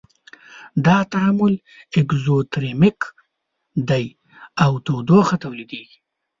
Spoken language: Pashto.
دا تعامل اکزوترمیک دی او تودوخه تولیدیږي.